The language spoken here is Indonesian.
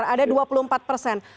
ada dua puluh empat persen